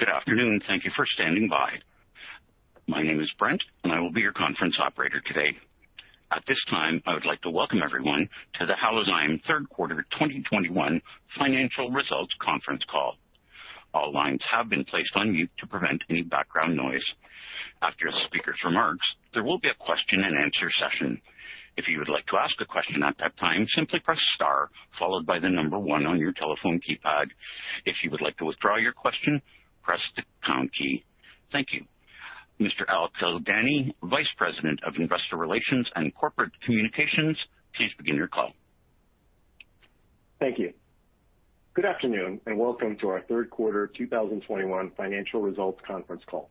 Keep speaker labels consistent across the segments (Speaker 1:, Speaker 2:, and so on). Speaker 1: Good afternoon, thank you for standing by. My name is Brent, and I will be your conference operator today. At this time, I would like to welcome everyone to the Halozyme Third Quarter 2021 Financial Results Conference Call. All lines have been placed on mute to prevent any background noise. After the speaker's remarks, there will be a question-and-answer session. If you would like to ask a question at that time, simply press star followed by the number one on your telephone keypad. If you would like to withdraw your question, press the pound key. Thank you. Mr. Al Kildani, Vice President of Investor Relations and Corporate Communications, please begin your call.
Speaker 2: Thank you. Good afternoon, and welcome to our Third Quarter 2021 Financial Results Conference Call.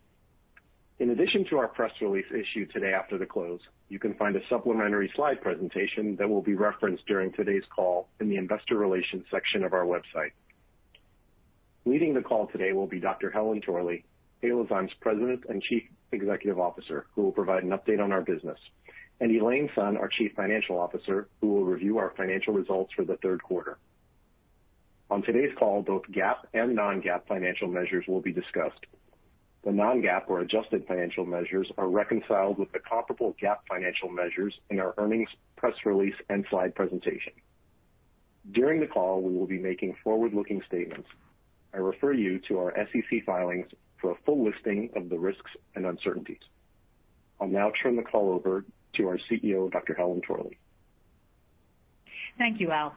Speaker 2: In addition to our press release issued today after the close, you can find a supplementary slide presentation that will be referenced during today's call in the Investor Relations section of our website. Leading the call today will be Dr. Helen Torley, Halozyme's President and Chief Executive Officer, who will provide an update on our business, and Elaine Sun, our Chief Financial Officer, who will review our financial results for the third quarter. On today's call, both GAAP and non-GAAP financial measures will be discussed. The non-GAAP, or adjusted financial measures, are reconciled with the comparable GAAP financial measures in our earnings press release and slide presentation. During the call, we will be making forward-looking statements. I refer you to our SEC filings for a full listing of the risks and uncertainties. I'll now turn the call over to our CEO, Dr. Helen Torley.
Speaker 3: Thank you, Al.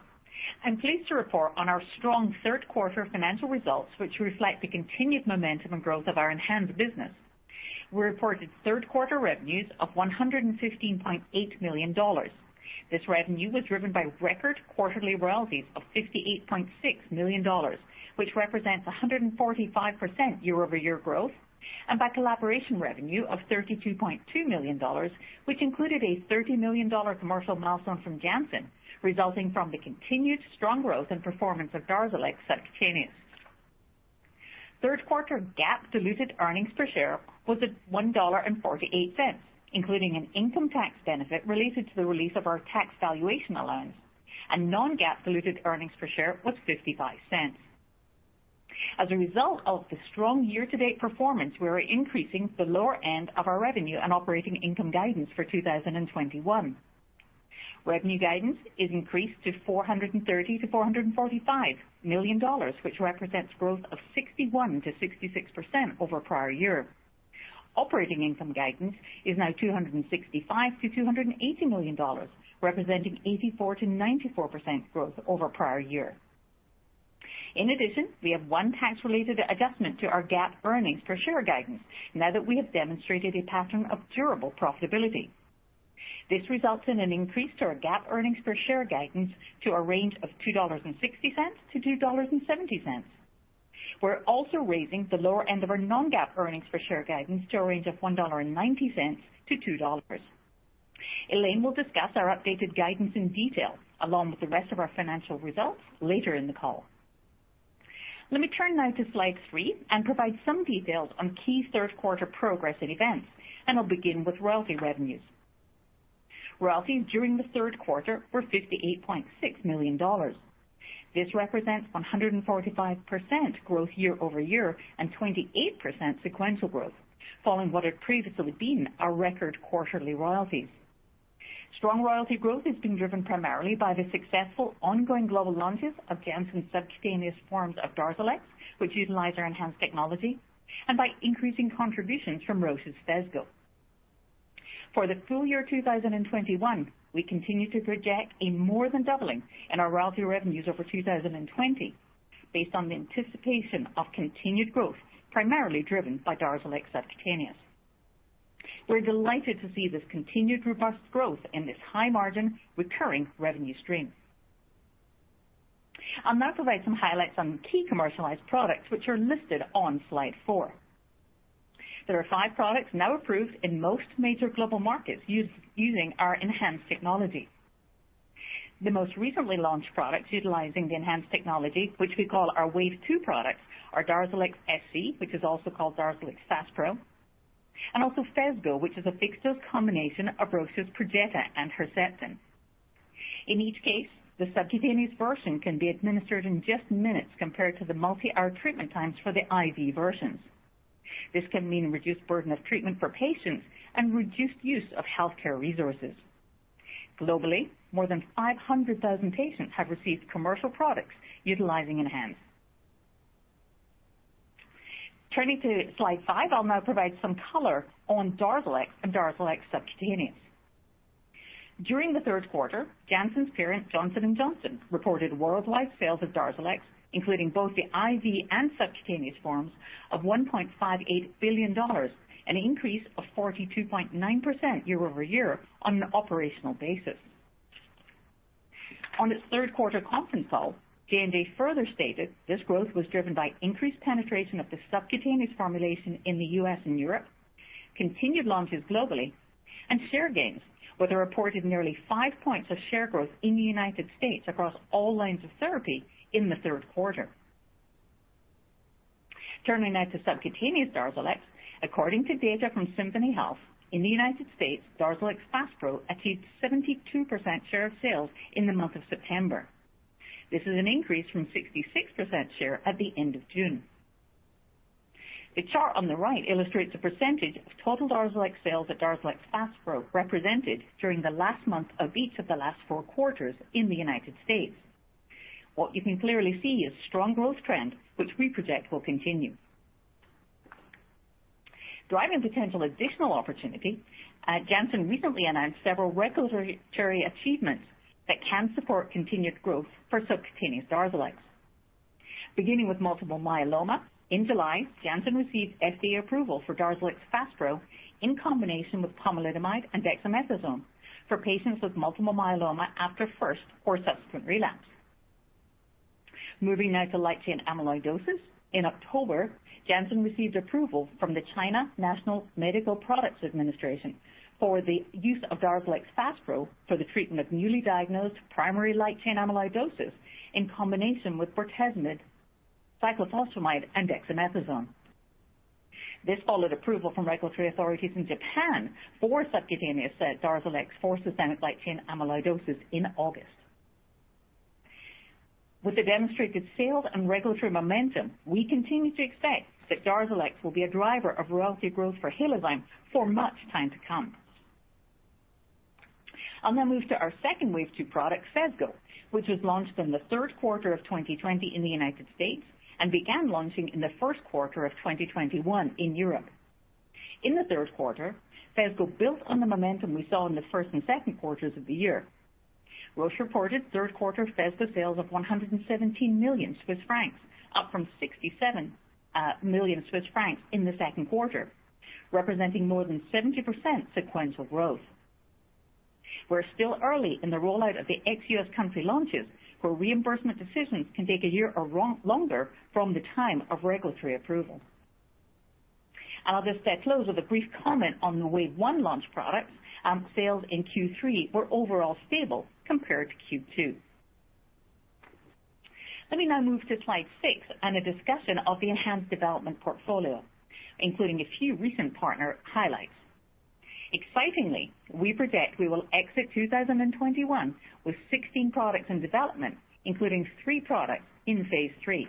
Speaker 3: I'm pleased to report on our strong third quarter financial results, which reflect the continued momentum and growth of our ENHANZE business. We reported third quarter revenues of $115.8 million. This revenue was driven by record quarterly royalties of $58.6 million, which represents 145% year-over-year growth, and by collaboration revenue of $32.2 million, which included a $30 million commercial milestone from Janssen, resulting from the continued strong growth and performance of DARZALEX subcutaneous. Third quarter GAAP diluted earnings per share was at $1.48, including an income tax benefit related to the release of our tax valuation allowance, and non-GAAP diluted earnings per share was $0.55. As a result of the strong year-to-date performance, we are increasing the lower end of our revenue and operating income guidance for 2021. Revenue guidance is increased to $430 million-$445 million, which represents growth of 61%-66% over prior year. Operating income guidance is now $265 million-$280 million, representing 84%-94% growth over prior year. In addition, we have one tax-related adjustment to our GAAP earnings per share guidance, now that we have demonstrated a pattern of durable profitability. This results in an increase to our GAAP earnings per share guidance to a range of $2.60-$2.70. We're also raising the lower end of our non-GAAP earnings per share guidance to a range of $1.90-$2.00. Elaine will discuss our updated guidance in detail, along with the rest of our financial results, later in the call. Let me turn now to slide three and provide some details on key third quarter progress and events, and I'll begin with royalty revenues. Royalties during the third quarter were $58.6 million. This represents 145% growth year-over-year and 28% sequential growth, following what had previously been our record quarterly royalties. Strong royalty growth has been driven primarily by the successful ongoing global launches of Janssen's subcutaneous forms of DARZALEX, which utilize our ENHANZE technology, and by increasing contributions from Roche's Phesgo. For the full year 2021, we continue to project a more than doubling in our royalty revenues over 2020, based on the anticipation of continued growth, primarily driven by DARZALEX subcutaneous. We're delighted to see this continued robust growth in this high-margin recurring revenue stream. I'll now provide some highlights on key commercialized products, which are listed on slide four. There are five products now approved in most major global markets using our ENHANZE technology. The most recently launched products utilizing the ENHANZE technology, which we call our Wave Two products, are DARZALEX SC, which is also called DARZALEX FASPRO, and also Phesgo, which is a fixed-dose combination of Roche's Perjeta and Herceptin. In each case, the subcutaneous version can be administered in just minutes compared to the multi-hour treatment times for the IV versions. This can mean a reduced burden of treatment for patients and reduced use of healthcare resources. Globally, more than 500,000 patients have received commercial products utilizing ENHANZE. Turning to slide five, I'll now provide some color on DARZALEX and DARZALEX subcutaneous. During the third quarter, Janssen's parent, Johnson & Johnson, reported worldwide sales of DARZALEX, including both the IV and subcutaneous forms, of $1.58 billion, an increase of 42.9% year-over-year on an operational basis. On its third quarter conference call, J&J further stated this growth was driven by increased penetration of the subcutaneous formulation in the U.S. and Europe, continued launches globally, and share gains, with a reported nearly five points of share growth in the United States across all lines of therapy in the third quarter. Turning now to subcutaneous DARZALEX, according to data from Symphony Health, in the United States, DARZALEX FASPRO achieved 72% share of sales in the month of September. This is an increase from 66% share at the end of June. The chart on the right illustrates a percentage of total DARZALEX sales at DARZALEX FASPRO represented during the last month of each of the last four quarters in the United States. What you can clearly see is a strong growth trend, which we project will continue. Driving potential additional opportunity, Janssen recently announced several regulatory achievements that can support continued growth for subcutaneous DARZALEX. Beginning with multiple myeloma, in July, Janssen received FDA approval for DARZALEX FASPRO in combination with pomalidomide and dexamethasone for patients with multiple myeloma after first or subsequent relapse. Moving now to light chain amyloidosis, in October, Janssen received approval from the China National Medical Products Administration for the use of DARZALEX FASPRO for the treatment of newly diagnosed primary light chain amyloidosis in combination with bortezomib, cyclophosphamide, and dexamethasone. This followed approval from regulatory authorities in Japan for subcutaneous DARZALEX for systemic light chain amyloidosis in August. With the demonstrated sales and regulatory momentum, we continue to expect that DARZALEX will be a driver of royalty growth for Halozyme for much time to come. I'll now move to our second Wave Two product, Phesgo, which was launched in the third quarter of 2020 in the United States and began launching in the first quarter of 2021 in Europe. In the third quarter, Phesgo built on the momentum we saw in the first and second quarters of the year. Roche reported third quarter Phesgo sales of 117 million Swiss francs, up from 67 million Swiss francs in the second quarter, representing more than 70% sequential growth. We're still early in the rollout of the ex-US country launches, where reimbursement decisions can take a year or longer from the time of regulatory approval. I'll just close with a brief comment on the Wave One launch products, and sales in Q3 were overall stable compared to Q2. Let me now move to slide six and a discussion of the ENHANZE development portfolio, including a few recent partner highlights. Excitingly, we project we will exit 2021 with 16 products in development, including three products in phase III.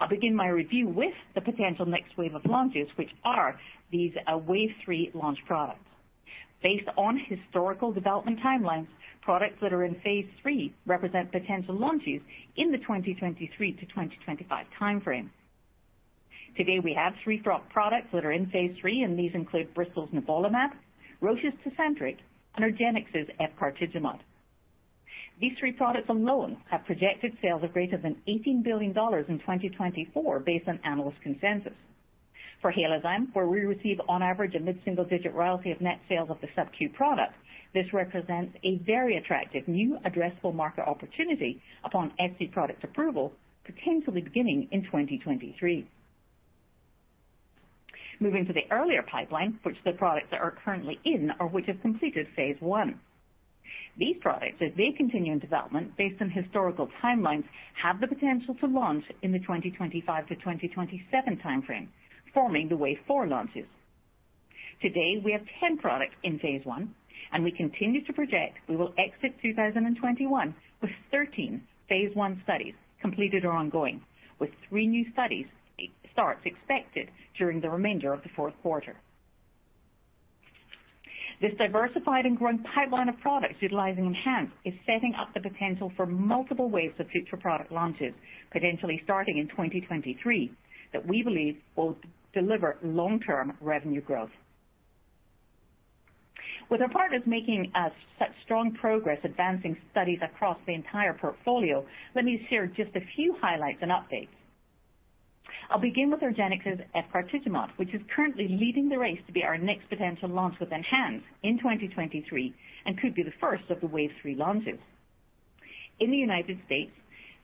Speaker 3: I'll begin my review with the potential next wave of launches, which are these Wave Three launch products. Based on historical development timelines, products that are in phase III represent potential launches in the 2023 to 2025 timeframe. Today, we have three products that are in phase III, and these include Bristol's Opdivo, Roche's Tecentriq, and argenx's efgartigimod. These three products alone have projected sales of greater than $18 billion in 2024, based on analyst consensus. For Halozyme, where we receive on average a mid-single-digit royalty of net sales of the subQ product, this represents a very attractive new addressable market opportunity upon FDA product approval, potentially beginning in 2023. Moving to the earlier pipeline, which the products that are currently in or which have completed phase I. These products, as they continue in development based on historical timelines, have the potential to launch in the 2025 to 2027 timeframe, forming the Wave Four launches. Today, we have 10 products in phase I, and we continue to project we will exit 2021 with 13 phase I studies completed or ongoing, with three new study starts expected during the remainder of the fourth quarter. This diversified and growing pipeline of products utilizing ENHANZE is setting up the potential for multiple waves of future product launches, potentially starting in 2023, that we believe will deliver long-term revenue growth. With our partners making such strong progress advancing studies across the entire portfolio, let me share just a few highlights and updates. I'll begin with argenx's efgartigimod, which is currently leading the race to be our next potential launch with ENHANZE in 2023 and could be the first of the Wave Three launches. In the United States,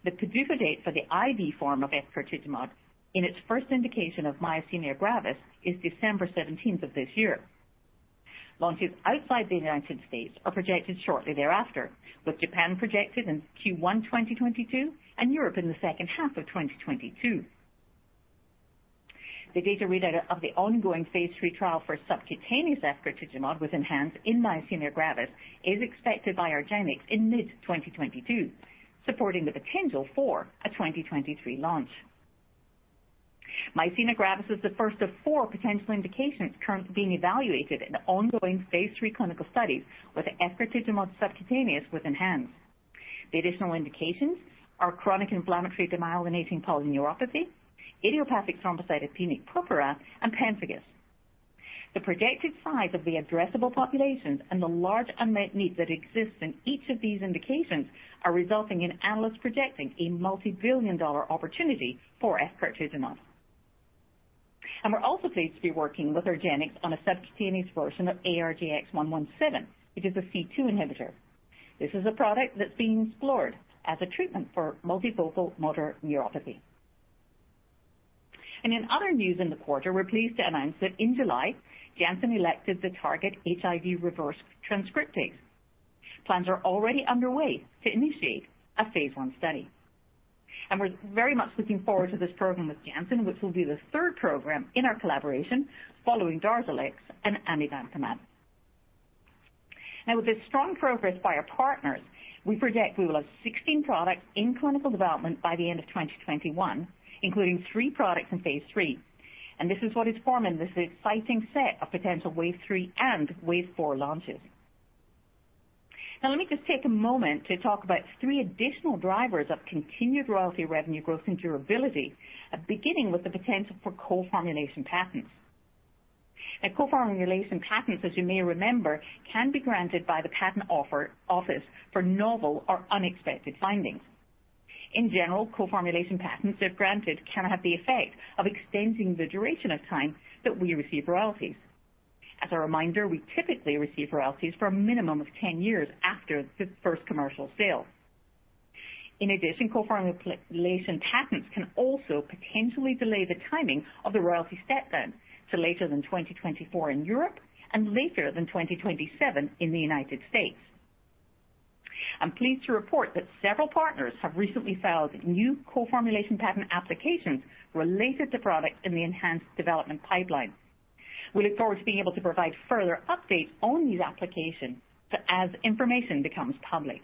Speaker 3: the PDUFA date for the IV form of efgartigimod, in its first indication of myasthenia gravis, is December 17th of this year. Launches outside the United States are projected shortly thereafter, with Japan projected in Q1 2022 and Europe in the second half of 2022. The data readout of the ongoing phase III trial for subcutaneous efgartigimod with ENHANZE in myasthenia gravis is expected by argenx in mid-2022, supporting the potential for a 2023 launch. Myasthenia gravis is the first of four potential indications currently being evaluated in ongoing phase III clinical studies with efgartigimod subcutaneous with ENHANZE. The additional indications are chronic inflammatory demyelinating polyneuropathy, idiopathic thrombocytopenic purpura, and pemphigus. The projected size of the addressable populations and the large unmet needs that exist in each of these indications are resulting in analysts projecting a multi-billion-dollar opportunity for efgartigimod, and we're also pleased to be working with argenx on a subcutaneous version of ARGX-117, which is a C2 inhibitor. This is a product that's being explored as a treatment for multifocal motor neuropathy. And in other news in the quarter, we're pleased to announce that in July, Janssen elected the target HIV reverse transcriptase. Plans are already underway to initiate a phase I study. And we're very much looking forward to this program with Janssen, which will be the third program in our collaboration following DARZALEX and amivantamab. Now, with this strong progress by our partners, we project we will have 16 products in clinical development by the end of 2021, including three products in phase III. And this is what is forming this exciting set of potential Wave Three and Wave Four launches. Now, let me just take a moment to talk about three additional drivers of continued royalty revenue growth and durability, beginning with the potential for co-formulation patents. Now, co-formulation patents, as you may remember, can be granted by the patent office for novel or unexpected findings. In general, co-formulation patents that are granted can have the effect of extending the duration of time that we receive royalties. As a reminder, we typically receive royalties for a minimum of 10 years after the first commercial sale. In addition, co-formulation patents can also potentially delay the timing of the royalty sunset to later than 2024 in Europe and later than 2027 in the United States. I'm pleased to report that several partners have recently filed new co-formulation patent applications related to products in the ENHANZE development pipeline. We look forward to being able to provide further updates on these applications as information becomes public.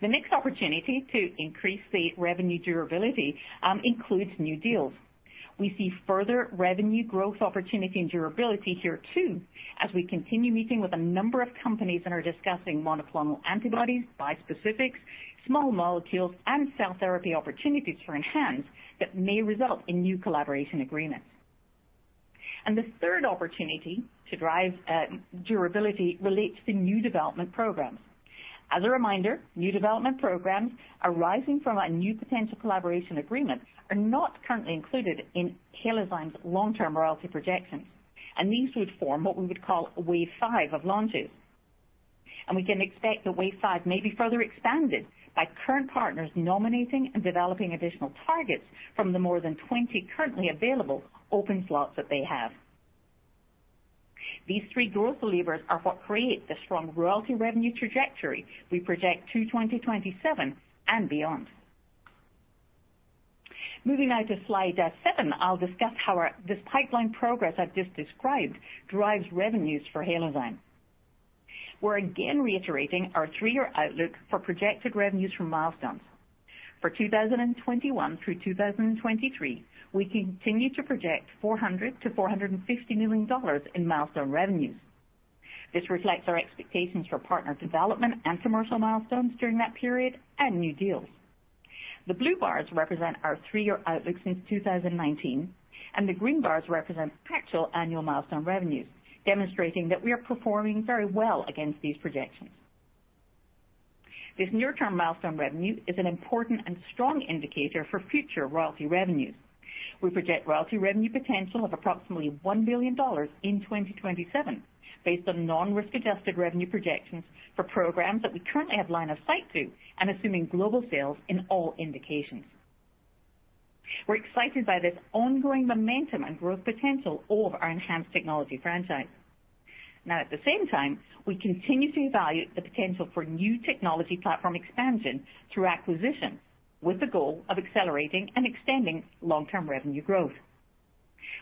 Speaker 3: The next opportunity to increase the revenue durability includes new deals. We see further revenue growth opportunity and durability here too, as we continue meeting with a number of companies that are discussing monoclonal antibodies, bispecifics, small molecules, and cell therapy opportunities for ENHANZE that may result in new collaboration agreements, and the third opportunity to drive durability relates to new development programs. As a reminder, new development programs arising from a new potential collaboration agreement are not currently included in Halozyme's long-term royalty projections, and these would form what we would call Wave Five of launches, and we can expect that Wave Five may be further expanded by current partners nominating and developing additional targets from the more than 20 currently available open slots that they have. These three growth levers are what create the strong royalty revenue trajectory we project to 2027 and beyond. Moving now to slide seven, I'll discuss how this pipeline progress I've just described drives revenues for Halozyme. We're again reiterating our three-year outlook for projected revenues from milestones. For 2021 through 2023, we continue to project $400-$450 million in milestone revenues. This reflects our expectations for partner development and commercial milestones during that period and new deals. The blue bars represent our three-year outlook since 2019, and the green bars represent actual annual milestone revenues, demonstrating that we are performing very well against these projections. This near-term milestone revenue is an important and strong indicator for future royalty revenues. We project royalty revenue potential of approximately $1 billion in 2027, based on non-risk-adjusted revenue projections for programs that we currently have line of sight to and assuming global sales in all indications. We're excited by this ongoing momentum and growth potential of our ENHANZE technology franchise. Now, at the same time, we continue to evaluate the potential for new technology platform expansion through acquisition, with the goal of accelerating and extending long-term revenue growth.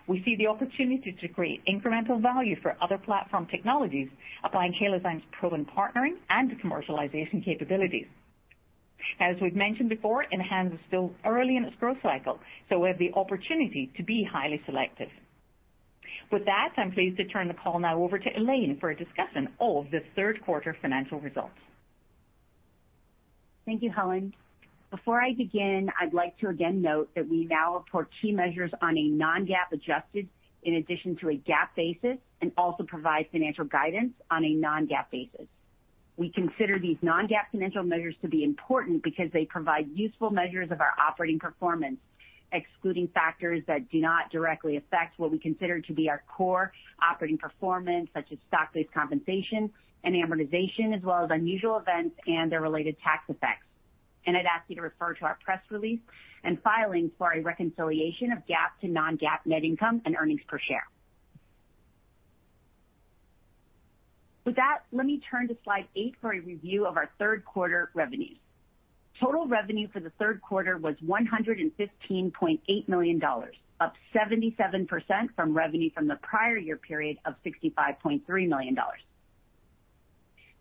Speaker 3: We see the opportunity to create incremental value for other platform technologies, applying Halozyme's proven partnering and commercialization capabilities. As we've mentioned before, ENHANZE is still early in its growth cycle, so we have the opportunity to be highly selective. With that, I'm pleased to turn the call now over to Elaine for a discussion of the third quarter financial results.
Speaker 4: Thank you, Helen. Before I begin, I'd like to again note that we now report key measures on a non-GAAP adjusted in addition to a GAAP basis and also provide financial guidance on a non-GAAP basis. We consider these non-GAAP financial measures to be important because they provide useful measures of our operating performance, excluding factors that do not directly affect what we consider to be our core operating performance, such as stock-based compensation and amortization, as well as unusual events and their related tax effects. I'd ask you to refer to our press release and filing for a reconciliation of GAAP to non-GAAP net income and earnings per share. With that, let me turn to slide eight for a review of our third quarter revenues. Total revenue for the third quarter was $115.8 million, up 77% from revenue from the prior year period of $65.3 million.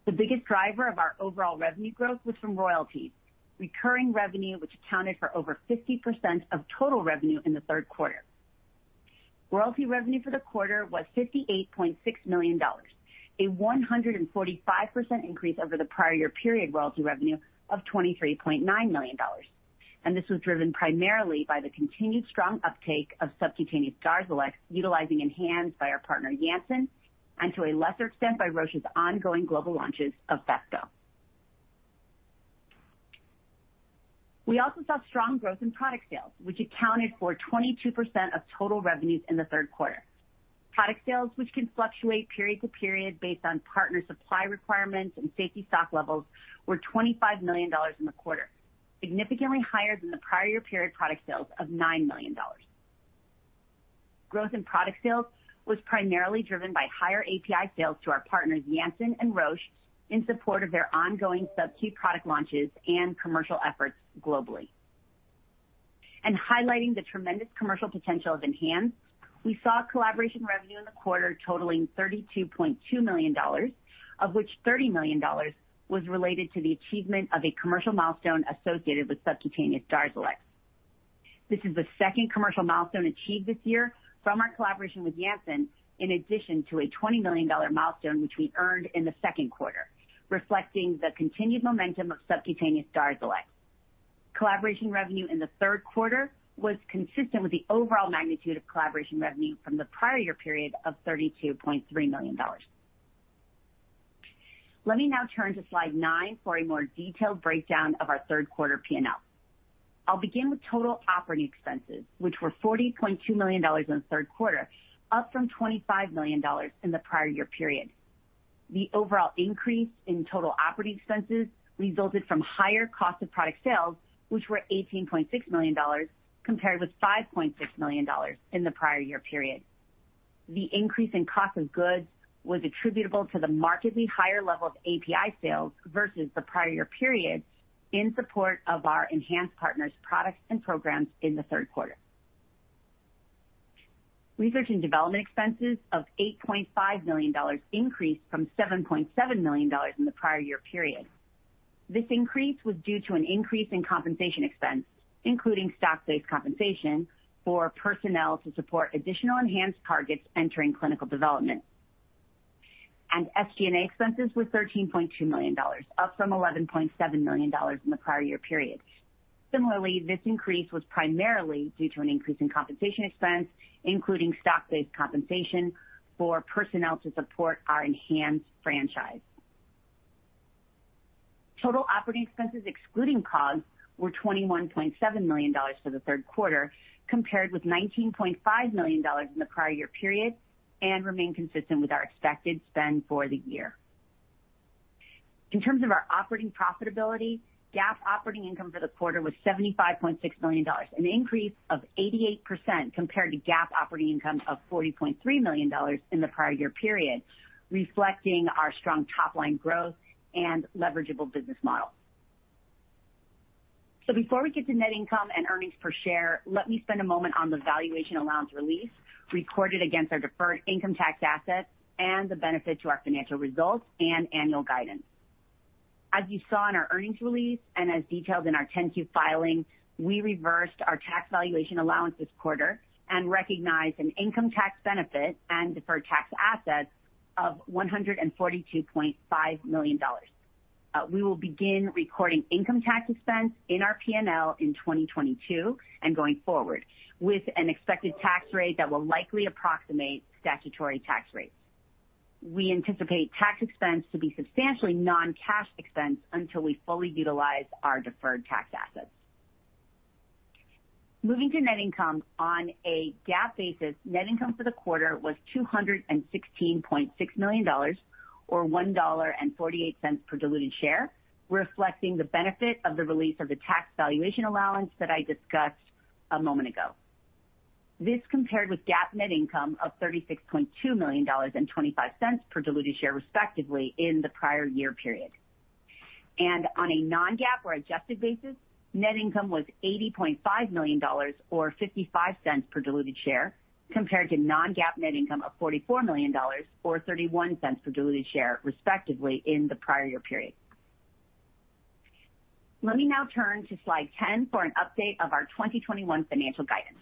Speaker 4: The biggest driver of our overall revenue growth was from royalties, recurring revenue, which accounted for over 50% of total revenue in the third quarter. Royalty revenue for the quarter was $58.6 million, a 145% increase over the prior year period royalty revenue of $23.9 million. This was driven primarily by the continued strong uptake of subcutaneous DARZALEX, utilizing ENHANZE by our partner Janssen and to a lesser extent by Roche's ongoing global launches of Phesgo. We also saw strong growth in product sales, which accounted for 22% of total revenues in the third quarter. Product sales, which can fluctuate period to period based on partner supply requirements and safety stock levels, were $25 million in the quarter, significantly higher than the prior year period product sales of $9 million. Growth in product sales was primarily driven by higher API sales to our partners Janssen and Roche in support of their ongoing subQ product launches and commercial efforts globally. Highlighting the tremendous commercial potential of ENHANZE, we saw collaboration revenue in the quarter totaling $32.2 million, of which $30 million was related to the achievement of a commercial milestone associated with subcutaneous DARZALEX. This is the second commercial milestone achieved this year from our collaboration with Janssen, in addition to a $20 million milestone, which we earned in the second quarter, reflecting the continued momentum of subcutaneous DARZALEX. Collaboration revenue in the third quarter was consistent with the overall magnitude of collaboration revenue from the prior year period of $32.3 million. Let me now turn to slide nine for a more detailed breakdown of our third quarter P&L. I'll begin with total operating expenses, which were $40.2 million in the third quarter, up from $25 million in the prior year period. The overall increase in total operating expenses resulted from higher cost of product sales, which were $18.6 million compared with $5.6 million in the prior year period. The increase in cost of goods was attributable to the markedly higher level of API sales versus the prior year period in support of our ENHANZE partners' products and programs in the third quarter. Research and development expenses of $8.5 million increased from $7.7 million in the prior year period. This increase was due to an increase in compensation expense, including stock-based compensation for personnel to support additional ENHANZE targets entering clinical development, and SG&A expenses were $13.2 million, up from $11.7 million in the prior year period. Similarly, this increase was primarily due to an increase in compensation expense, including stock-based compensation for personnel to support our ENHANZE franchise. Total operating expenses excluding COGS were $21.7 million for the third quarter, compared with $19.5 million in the prior year period and remain consistent with our expected spend for the year. In terms of our operating profitability, GAAP operating income for the quarter was $75.6 million, an increase of 88% compared to GAAP operating income of $40.3 million in the prior year period, reflecting our strong top-line growth and leverageable business model. So before we get to net income and earnings per share, let me spend a moment on the valuation allowance release recorded against our deferred income tax assets and the benefit to our financial results and annual guidance. As you saw in our earnings release and as detailed in our 10-Q filing, we reversed our tax valuation allowance this quarter and recognized an income tax benefit and deferred tax asset of $142.5 million. We will begin recording income tax expense in our P&L in 2022 and going forward with an expected tax rate that will likely approximate statutory tax rates. We anticipate tax expense to be substantially non-cash expense until we fully utilize our deferred tax assets. Moving to net income on a GAAP basis, net income for the quarter was $216.6 million, or $1.48 per diluted share, reflecting the benefit of the release of the tax valuation allowance that I discussed a moment ago. This compared with GAAP net income of $36.2 million and $0.25 per diluted share, respectively, in the prior year period, and on a non-GAAP or adjusted basis, net income was $80.5 million, or $0.55 per diluted share, compared to non-GAAP net income of $44 million, or $0.31 per diluted share, respectively, in the prior year period. Let me now turn to slide 10 for an update of our 2021 financial guidance.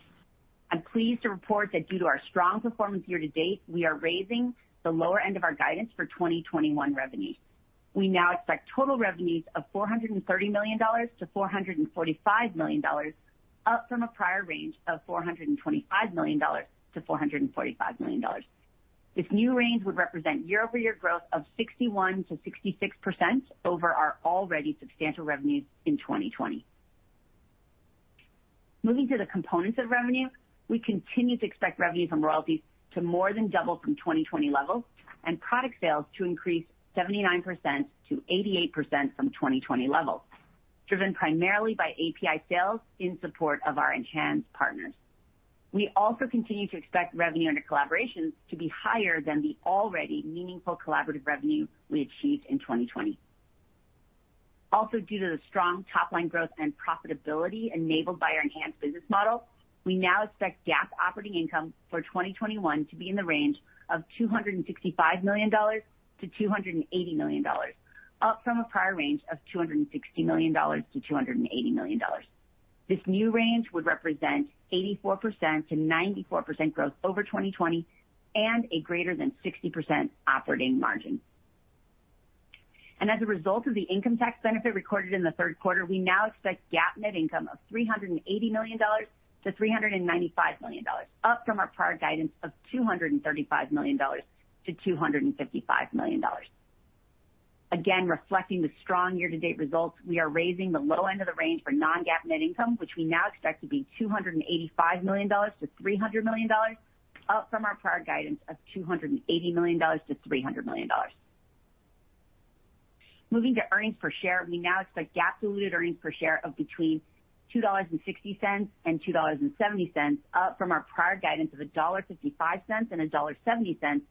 Speaker 4: I'm pleased to report that due to our strong performance year to date, we are raising the lower end of our guidance for 2021 revenues. We now expect total revenues of $430 million-$445 million, up from a prior range of $425 million-$445 million. This new range would represent year-over-year growth of 61%-66% over our already substantial revenues in 2020. Moving to the components of revenue, we continue to expect revenues from royalties to more than double from 2020 levels and product sales to increase 79%-88% from 2020 levels, driven primarily by API sales in support of our ENHANZE partners. We also continue to expect revenue under collaborations to be higher than the already meaningful collaborative revenue we achieved in 2020. Also, due to the strong top-line growth and profitability enabled by our ENHANZE business model, we now expect GAAP operating income for 2021 to be in the range of $265 million-$280 million, up from a prior range of $260 million-$280 million. This new range would represent 84%-94% growth over 2020 and a greater than 60% operating margin. And as a result of the income tax benefit recorded in the third quarter, we now expect GAAP net income of $380 million-$395 million, up from our prior guidance of $235 million-$255 million. Again, reflecting the strong year-to-date results, we are raising the low end of the range for non-GAAP net income, which we now expect to be $285 million-$300 million, up from our prior guidance of $280 million-$300 million. Moving to earnings per share, we now expect GAAP-diluted earnings per share of between $2.60 and $2.70, up from our prior guidance of $1.55 and $1.70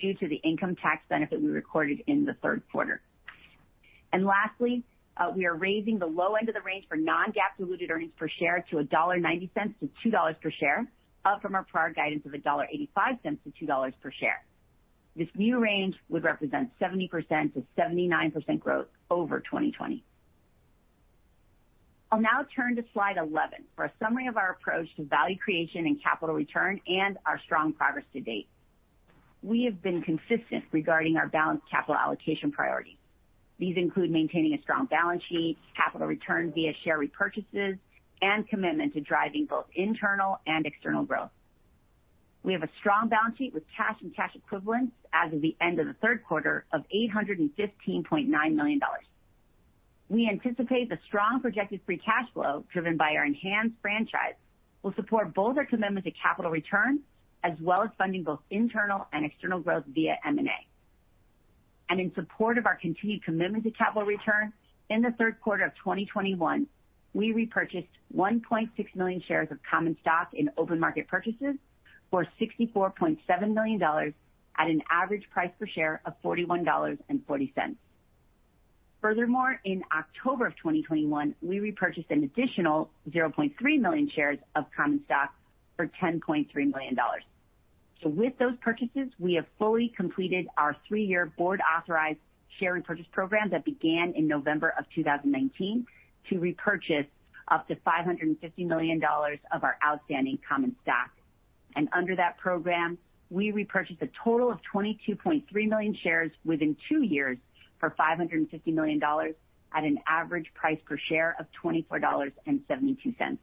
Speaker 4: due to the income tax benefit we recorded in the third quarter. Lastly, we are raising the low end of the range for non-GAAP-diluted earnings per share to $1.90 $2 per share, up from our prior guidance of $1.85-$2 per share. This new range would represent 70% to 79% growth over 2020. I'll now turn to slide 11 for a summary of our approach to value creation and capital return and our strong progress to date. We have been consistent regarding our balanced capital allocation priorities. These include maintaining a strong balance sheet, capital return via share repurchases, and commitment to driving both internal and external growth. We have a strong balance sheet with cash and cash equivalents as of the end of the third quarter of $815.9 million. We anticipate the strong projected free cash flow driven by our ENHANZE franchise will support both our commitment to capital return as well as funding both internal and external growth via M&A. And in support of our continued commitment to capital return, in the third quarter of 2021, we repurchased 1.6 million shares of common stock in open market purchases for $64.7 million at an average price per share of $41.40. Furthermore, in October of 2021, we repurchased an additional 0.3 million shares of common stock for $10.3 million. So with those purchases, we have fully completed our three-year board-authorized share repurchase program that began in November of 2019 to repurchase up to $550 million of our outstanding common stock. And under that program, we repurchased a total of 22.3 million shares within two years for $550 million at an average price per share of $24.72.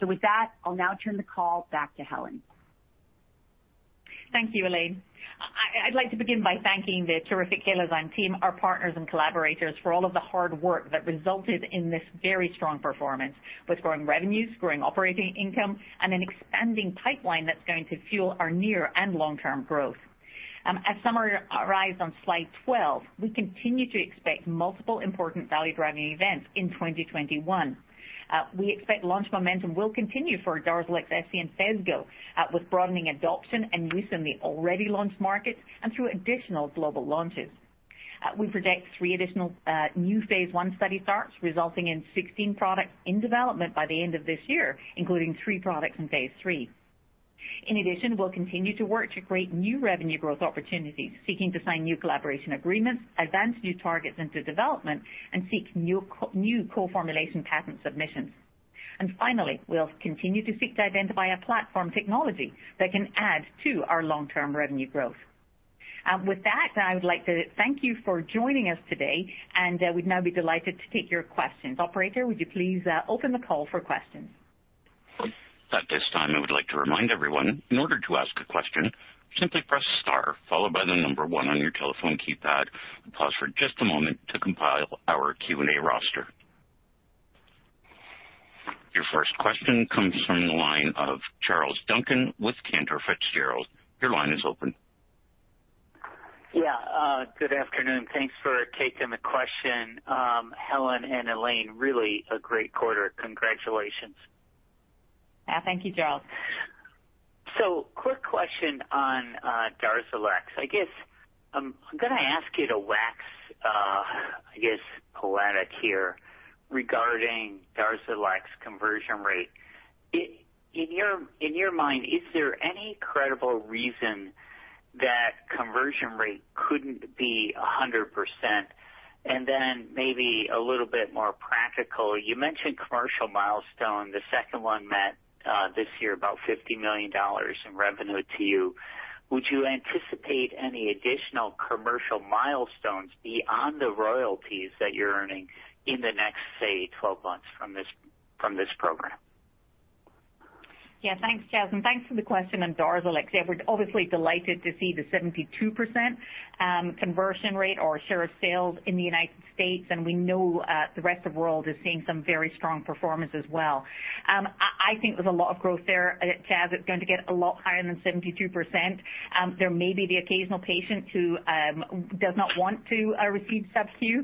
Speaker 4: So with that, I'll now turn the call back to Helen.
Speaker 3: Thank you, Elaine. I'd like to begin by thanking the terrific Halozyme team, our partners and collaborators, for all of the hard work that resulted in this very strong performance, with growing revenues, growing operating income, and an expanding pipeline that's going to fuel our near and long-term growth. As summarized on slide 12, we continue to expect multiple important value-driving events in 2021. We expect launch momentum will continue for DARZALEX, HYCELA, and Phesgo with broadening adoption and use in the already launched markets and through additional global launches. We project three additional new phase I study starts, resulting in 16 products in development by the end of this year, including three products in phase III. In addition, we'll continue to work to create new revenue growth opportunities, seeking to sign new collaboration agreements, advance new targets into development, and seek new co-formulation patent submissions. And finally, we'll continue to seek to identify a platform technology that can add to our long-term revenue growth. With that, I would like to thank you for joining us today, and we'd now be delighted to take your questions. Operator, would you please open the call for questions?
Speaker 1: At this time, I would like to remind everyone, in order to ask a question, simply press star, followed by the number one on your telephone keypad, and pause for just a moment to compile our Q&A roster. Your first question comes from the line of Charles Duncan with Cantor Fitzgerald. Your line is open.
Speaker 5: Yeah, good afternoon. Thanks for taking the question. Helen and Elaine, really a great quarter. Congratulations.
Speaker 3: Thank you, Charles.
Speaker 5: So quick question on DARZALEX. I guess I'm going to ask you to wax, I guess, poetic here regarding DARZALEX conversion rate. In your mind, is there any credible reason that conversion rate couldn't be 100%? And then maybe a little bit more practical, you mentioned commercial milestone. The second one met this year about $50 million in revenue to you. Would you anticipate any additional commercial milestones beyond the royalties that you're earning in the next, say, 12 months from this program?
Speaker 3: Yeah, thanks, Charles. And thanks for the question on DARZALEX. We're obviously delighted to see the 72% conversion rate or share of sales in the United States. And we know the rest of the world is seeing some very strong performance as well. I think there's a lot of growth there. It's going to get a lot higher than 72%. There may be the occasional patient who does not want to receive subQ.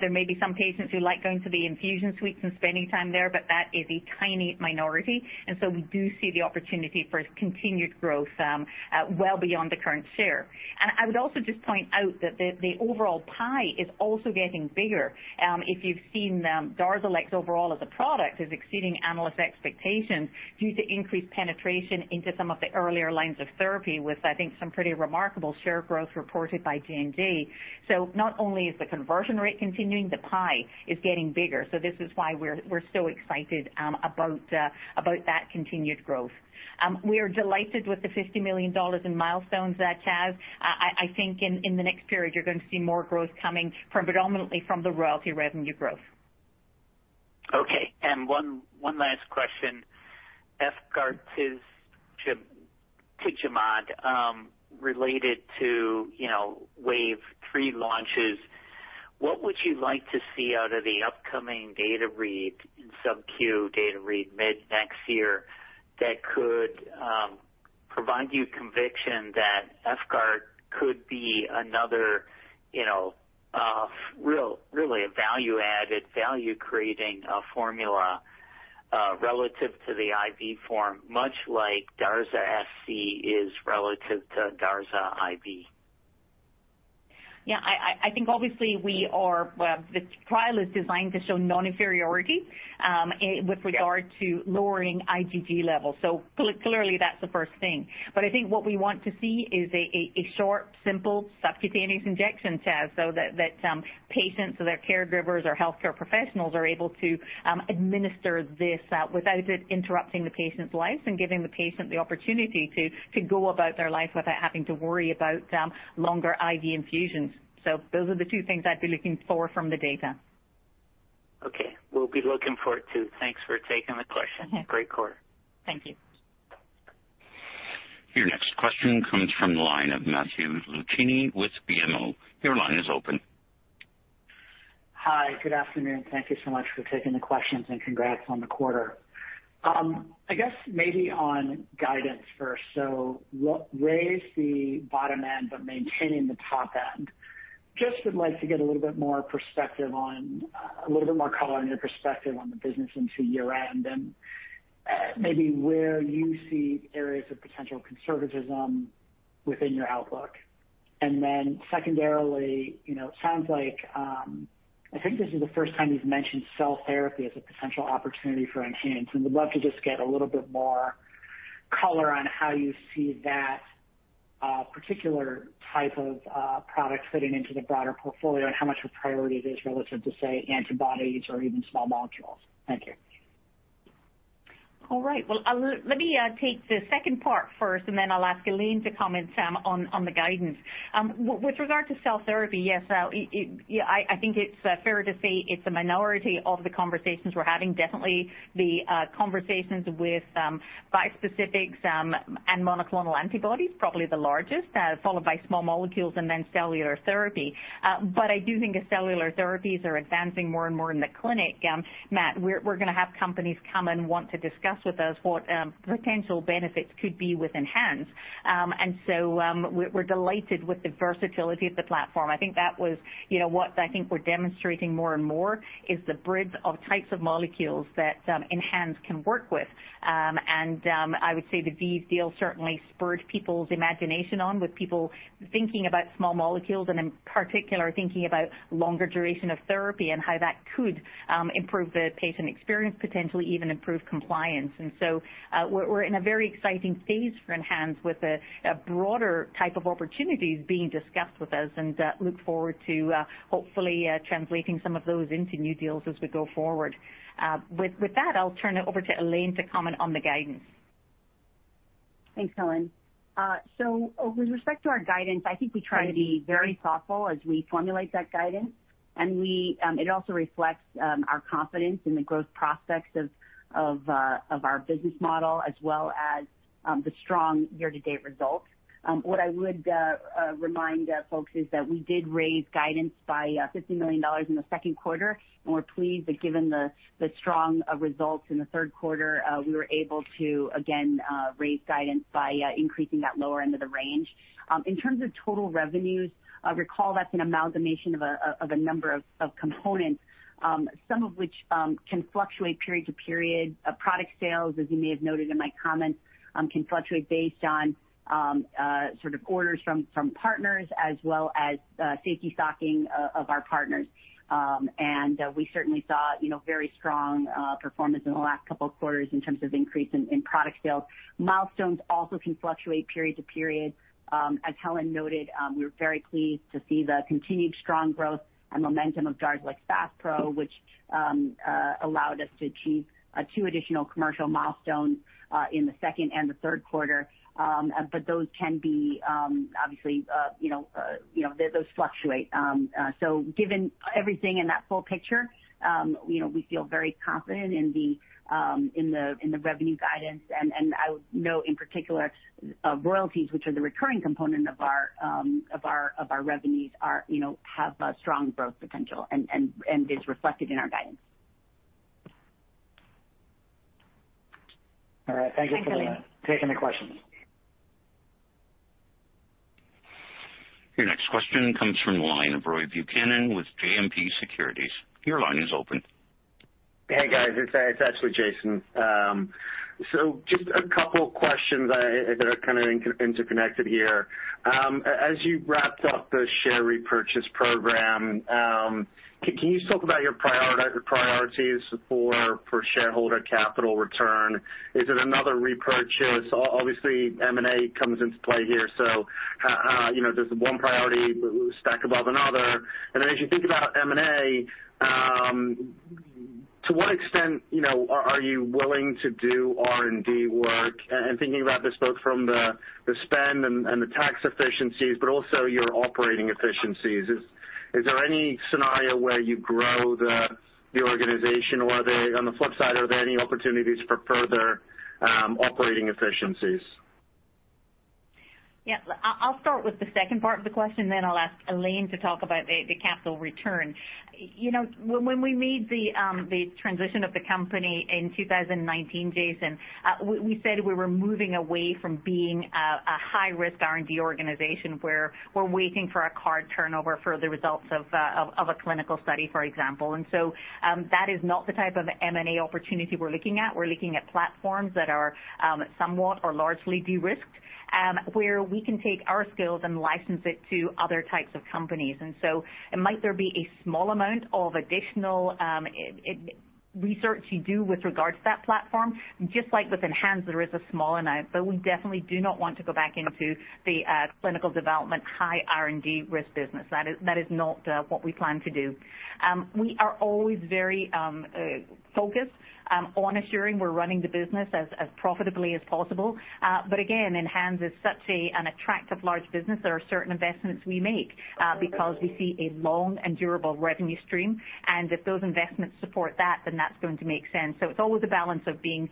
Speaker 3: There may be some patients who like going to the infusion suites and spending time there, but that is a tiny minority. And so we do see the opportunity for continued growth well beyond the current share. And I would also just point out that the overall pie is also getting bigger. If you've seen DARZALEX overall as a product is exceeding analyst expectations due to increased penetration into some of the earlier lines of therapy with, I think, some pretty remarkable share growth reported by J&J. So not only is the conversion rate continuing, the pie is getting bigger. So this is why we're so excited about that continued growth. We are delighted with the $50 million in milestones that has. I think in the next period, you're going to see more growth coming predominantly from the royalty revenue growth.
Speaker 5: Okay. And one last question, efgartigimod, related to wave three launches. What would you like to see out of the upcoming data read and subQ data read mid next year that could provide you conviction that efgartigimod could be another really value-added, value-creating formula relative to the IV form, much like DARZA SC is relative to DARZA IV?
Speaker 3: Yeah, I think obviously where the trial is designed to show non-inferiority with regard to lowering IgG levels. So clearly, that's the first thing. But I think what we want to see is a short, simple subcutaneous injection test so that patients or their caregivers or healthcare professionals are able to administer this without it interrupting the patient's lives and giving the patient the opportunity to go about their life without having to worry about longer IV infusions. So those are the two things I'd be looking for from the data.
Speaker 5: Okay. We'll be looking forward to it. Thanks for taking the question. Great quarter.
Speaker 3: Thank you.
Speaker 1: Your next question comes from the line of Matthew Luchini with BMO. Your line is open.
Speaker 6: Hi, good afternoon. Thank you so much for taking the questions and congrats on the quarter. I guess maybe on guidance first. So raise the bottom end, but maintaining the top end. Just would like to get a little bit more perspective on a little bit more color in your perspective on the business into year-end and maybe where you see areas of potential conservatism within your outlook. And then secondarily, it sounds like I think this is the first time you've mentioned cell therapy as a potential opportunity for ENHANZE. We'd love to just get a little bit more color on how you see that particular type of product fitting into the broader portfolio and how much of a priority it is relative to, say, antibodies or even small molecules. Thank you.
Speaker 3: All right, well, let me take the second part first, and then I'll ask Elaine to comment on the guidance. With regard to cell therapy, yes, I think it's fair to say it's a minority of the conversations we're having. Definitely the conversations with bispecifics and monoclonal antibodies are probably the largest, followed by small molecules and then cellular therapy. But I do think cellular therapies are advancing more and more in the clinic. Matt, we're going to have companies come and want to discuss with us what potential benefits could be with ENHANZE. And so we're delighted with the versatility of the platform. I think that was what I think we're demonstrating more and more is the breadth of types of molecules that ENHANZE can work with. And I would say the ViiV deal certainly spurred people's imagination on with people thinking about small molecules and in particular thinking about longer duration of therapy and how that could improve the patient experience, potentially even improve compliance. We're in a very exciting phase for ENHANZE with a broader type of opportunities being discussed with us, and look forward to hopefully translating some of those into new deals as we go forward. With that, I'll turn it over to Elaine to comment on the guidance.
Speaker 4: Thanks, Helen. With respect to our guidance, I think we try to be very thoughtful as we formulate that guidance. It also reflects our confidence in the growth prospects of our business model as well as the strong year-to-date results. What I would remind folks is that we did raise guidance by $50 million in the second quarter. We're pleased that given the strong results in the third quarter, we were able to, again, raise guidance by increasing that lower end of the range. In terms of total revenues, recall that's an amalgamation of a number of components, some of which can fluctuate period to period. Product sales, as you may have noted in my comments, can fluctuate based on sort of orders from partners as well as safety stocking of our partners. And we certainly saw very strong performance in the last couple of quarters in terms of increase in product sales. Milestones also can fluctuate period to period. As Helen noted, we were very pleased to see the continued strong growth and momentum of DARZALEX FASPRO, which allowed us to achieve two additional commercial milestones in the second and the third quarter. But those can obviously fluctuate. So given everything in that full picture, we feel very confident in the revenue guidance. And I would note in particular, royalties, which are the recurring component of our revenues, have a strong growth potential and is reflected in our guidance.
Speaker 6: All right. Thank you for taking the questions.
Speaker 1: Your next question comes from the line of Roy Buchanan with JMP Securities. Your line is open. Hey, guys.
Speaker 7: It's actually Jason. So just a couple of questions that are kind of interconnected here. As you wrapped up the share repurchase program, can you talk about your priorities for shareholder capital return? Is it another repurchase? Obviously, M&A comes into play here. So there's one priority stacked above another. And then as you think about M&A, to what extent are you willing to do R&D work? And thinking about this both from the spend and the tax efficiencies, but also your operating efficiencies, is there any scenario where you grow the organization? Or on the flip side, are there any opportunities for further operating efficiencies?
Speaker 3: Yeah. I'll start with the second part of the question, then I'll ask Elaine to talk about the capital return. When we made the transition of the company in 2019, Jason, we said we were moving away from being a high-risk R&D organization where we're waiting for a card to turn over for the results of a clinical study, for example. And so that is not the type of M&A opportunity we're looking at. We're looking at platforms that are somewhat or largely de-risked where we can take our skills and license it to other types of companies. And so there might be a small amount of additional research you do with regards to that platform. Just like with ENHANZE, there is a small amount, but we definitely do not want to go back into the clinical development high R&D risk business. That is not what we plan to do. We are always very focused on assuring we're running the business as profitably as possible. But again, ENHANZE is such an attractive large business. There are certain investments we make because we see a long and durable revenue stream. And if those investments support that, then that's going to make sense. So it's always a balance of being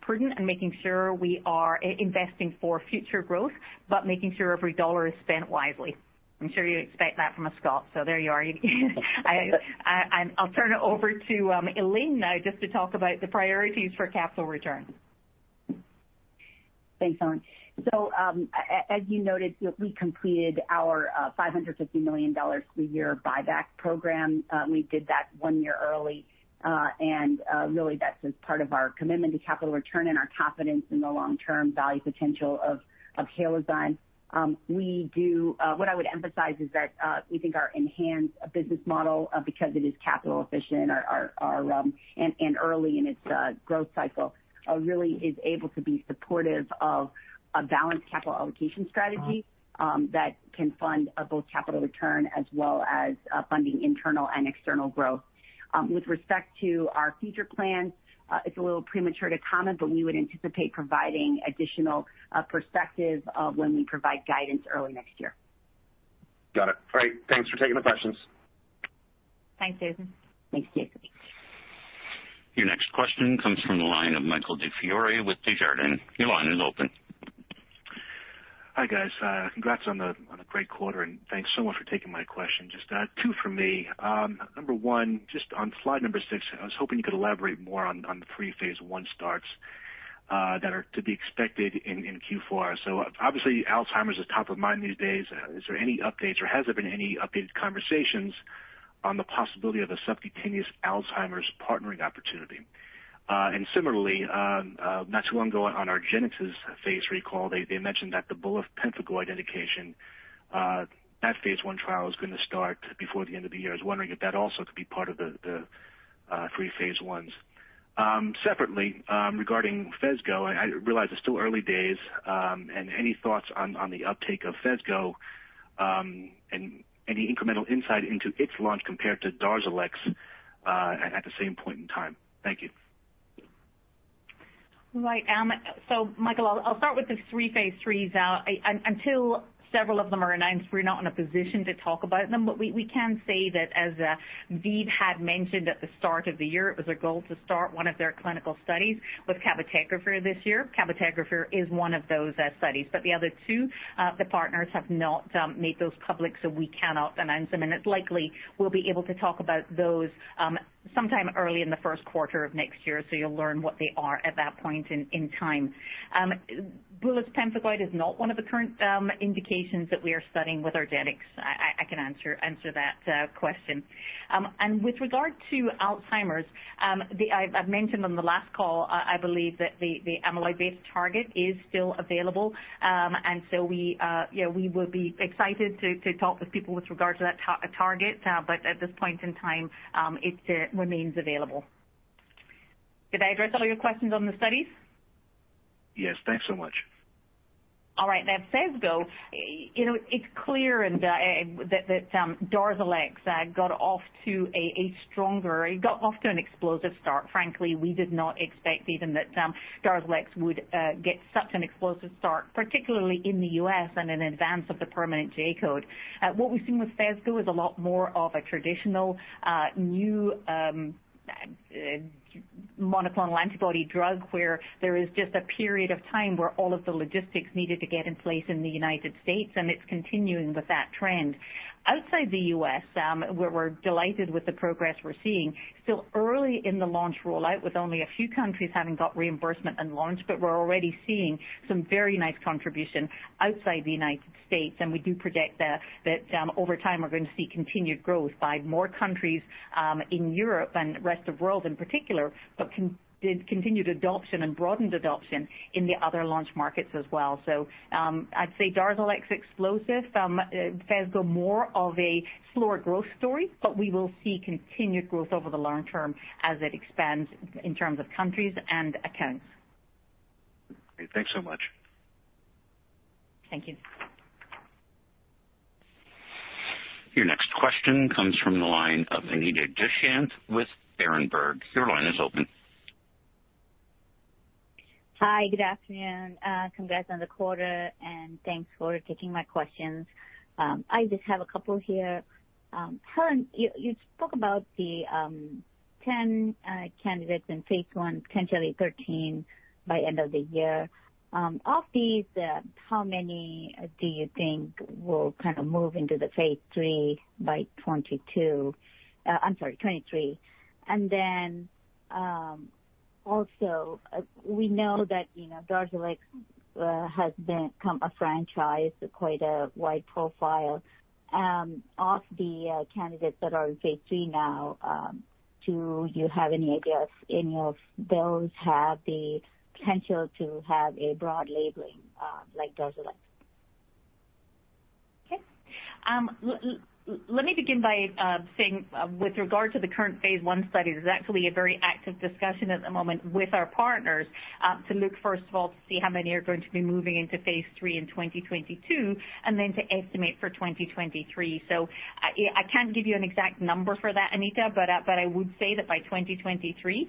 Speaker 3: prudent and making sure we are investing for future growth, but making sure every dollar is spent wisely. I'm sure you expect that from a Scot. So there you are. I'll turn it over to Elaine now just to talk about the priorities for capital return.
Speaker 4: Thanks, Helen. As you noted, we completed our $550 million three-year buyback program. We did that one year early. And really, that's part of our commitment to capital return and our confidence in the long-term value potential of Halozyme. What I would emphasize is that we think our ENHANZE business model, because it is capital efficient and early in its growth cycle, really is able to be supportive of a balanced capital allocation strategy that can fund both capital return as well as funding internal and external growth. With respect to our future plans, it's a little premature to comment, but we would anticipate providing additional perspective when we provide guidance early next year.
Speaker 7: Got it. All right. Thanks for taking the questions.
Speaker 4: Thanks, Jason.
Speaker 1: Thanks, Jason. Your next question comes from the line of Michael Di Fiore with Desjardins. Your line is open.
Speaker 8: Hi, guys. Congrats on a great quarter. And thanks so much for taking my question. Just two for me. Number one, just on slide number six, I was hoping you could elaborate more on the three phase I starts that are to be expected in Q4. So obviously, Alzheimer's is top of mind these days. Is there any updates or has there been any updated conversations on the possibility of a subcutaneous Alzheimer's partnering opportunity? And similarly, not too long ago on the Genentech recent call, they mentioned that the bullous pemphigoid indication, that phase I trial is going to start before the end of the year. I was wondering if that also could be part of the three phase Is. Separately, regarding Phesgo, I realize it's still early days. And any thoughts on the uptake of Phesgo and any incremental insight into its launch compared to DARZALEX at the same point in time? Thank you.
Speaker 3: Right. So Michael, I'll start with the three phase IIIs. Until several of them are ENHANZE, we're not in a position to talk about them, but we can say that as ViiV had mentioned at the start of the year, it was a goal to start one of their clinical studies with cabotegravir this year. Cabotegravir is one of those studies. But the other two, the partners have not made those public, so we cannot announce them, and it's likely we'll be able to talk about those sometime early in the first quarter of next year, so you'll learn what they are at that point in time. Bullous pemphigoid is not one of the current indications that we are studying with argenx. I can answer that question. And with regard to Alzheimer's, I've mentioned on the last call, I believe that the amyloid-based target is still available. And so we will be excited to talk with people with regards to that target. But at this point in time, it remains available. Did I address all your questions on the studies?
Speaker 8: Yes. Thanks so much. All right. Now, Phesgo, it's clear that DARZALEX got off to an explosive start. Frankly, we did not expect even that DARZALEX would get such an explosive start, particularly in the U.S. and in advance of the permanent J-code. What we've seen with Phesgo is a lot more of a traditional new monoclonal antibody drug where there is just a period of time where all of the logistics needed to get in place in the United States. And it's continuing with that trend. Outside the U.S., we're delighted with the progress we're seeing. Still early in the launch rollout, with only a few countries having got reimbursement and launch, but we're already seeing some very nice contribution outside the United States. And we do predict that over time, we're going to see continued growth by more countries in Europe and rest of the world in particular, but continued adoption and broadened adoption in the other launch markets as well. So I'd say DARZALEX explosive. Phesgo, more of a slower growth story, but we will see continued growth over the long term as it expands in terms of countries and accounts. Thanks so much.
Speaker 3: Thank you.
Speaker 1: Your next question comes from the line of Anita Dushyanth with Berenberg. Your line is open.
Speaker 9: Hi. Good afternoon. Congrats on the quarter. And thanks for taking my questions. I just have a couple here. Helen, you spoke about the 10 candidates in phase I, potentially 13 by end of the year. Of these, how many do you think will kind of move into the phase III by 2022? I'm sorry, 2023. And then also, we know that DARZALEX has become a franchise, quite a wide profile of the candidates that are in phase III now. Do you have any idea if any of those have the potential to have a broad labeling like DARZALEX?
Speaker 3: Okay. Let me begin by saying with regard to the current phase I studies, it's actually a very active discussion at the moment with our partners to look, first of all, to see how many are going to be moving into phase III in 2022, and then to estimate for 2023. So I can't give you an exact number for that, Anita, but I would say that by 2023,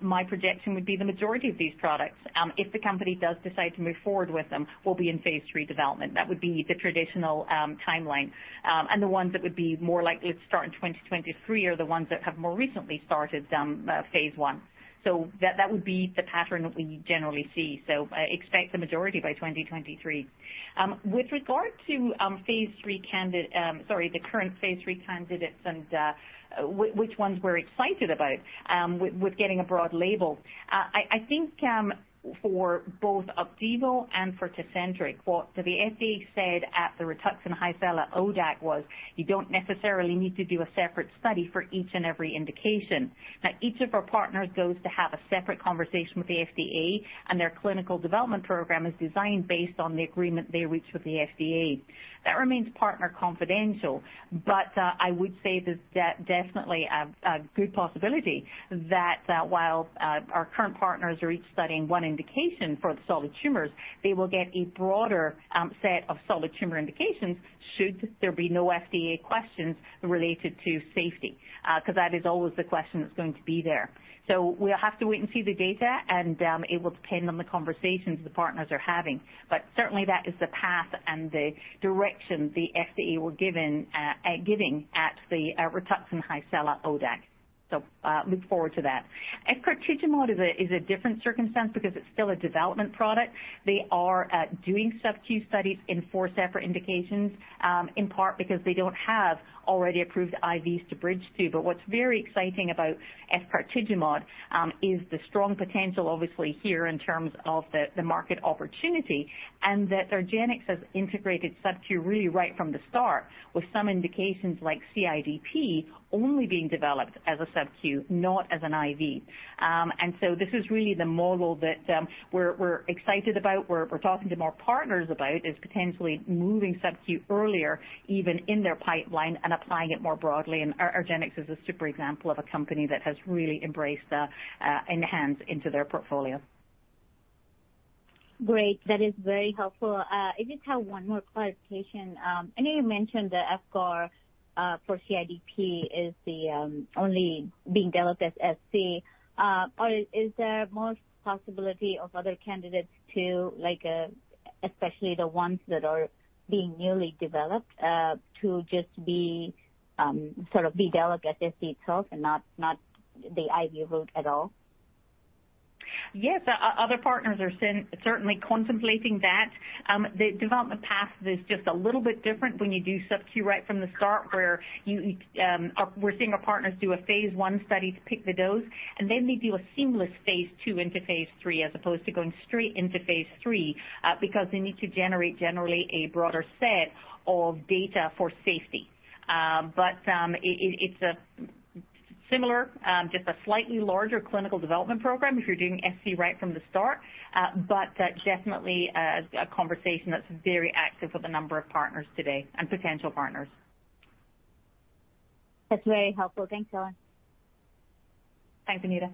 Speaker 3: my projection would be the majority of these products, if the company does decide to move forward with them, will be in phase III development. That would be the traditional timeline. And the ones that would be more likely to start in 2023 are the ones that have more recently started phase one. So that would be the pattern that we generally see. So expect the majority by 2023. With regard to phase III candidate, sorry, the current phase III candidates and which ones we're excited about with getting a broad label, I think for both Opdivo and for Tecentriq, what the FDA said at the RITUXAN HYCELA at ODAC was you don't necessarily need to do a separate study for each and every indication. Now, each of our partners goes to have a separate conversation with the FDA, and their clinical development program is designed based on the agreement they reached with the FDA. That remains partner confidential, but I would say that definitely a good possibility that while our current partners are each studying one indication for the solid tumors, they will get a broader set of solid tumor indications should there be no FDA questions related to safety, because that is always the question that's going to be there, so we'll have to wait and see the data, and it will depend on the conversations the partners are having. But certainly, that is the path and the direction the FDA were giving at the RITUXAN HYCELA at ODAC, so look forward to that. Efgartigimod is a different circumstance because it's still a development product. They are doing subQ studies in four separate indications, in part because they don't have already approved IVs to bridge to. But what's very exciting about efgartigimod is the strong potential, obviously, here in terms of the market opportunity and that argenx has integrated subQ really right from the start with some indications like CIDP only being developed as a subQ, not as an IV. And so this is really the model that we're excited about, we're talking to more partners about, is potentially moving subQ earlier even in their pipeline and applying it more broadly. And argenx is a super example of a company that has really embraced ENHANZE into their portfolio.
Speaker 9: Great. That is very helpful. I just have one more clarification. I know you mentioned the efgartigimod for CIDP is only being developed as SC. Is there more possibility of other candidates too, especially the ones that are being newly developed, to just sort of be developed as SC itself and not the IV route at all?
Speaker 3: Yes. Other partners are certainly contemplating that. The development path is just a little bit different when you do subQ right from the start, where we're seeing our partners do a phase I study to pick the dose, and then they do a seamless phase II into phase III as opposed to going straight into phase III because they need to generate generally a broader set of data for safety. But it's similar, just a slightly larger clinical development program if you're doing SC right from the start. But definitely a conversation that's very active with a number of partners today and potential partners.
Speaker 9: That's very helpful. Thanks, Helen.
Speaker 3: Thanks, Anita.